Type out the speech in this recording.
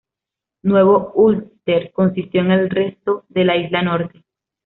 Nuevo Úlster consistió en el resto de la Isla Norte.